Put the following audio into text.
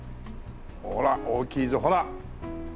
ほら大きいぞほら！